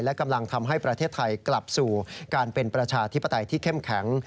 และกำลังทำให้ประเทศไทยกลับสู่การเป็นประชาธิปไตยที่เข้มแข็ง